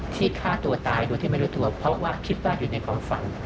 ฆ่าตัวตายโดยที่ไม่รู้ตัวเพราะว่าคิดว่าอยู่ในของฝั่ง